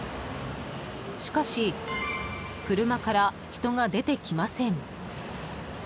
しかし、車から人が出てきません。